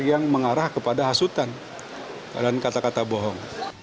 yang mengarah kepada hasutan dan kata kata bohong